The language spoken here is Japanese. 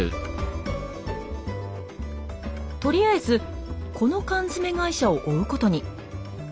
とりあえずこの缶詰会社を追うことに。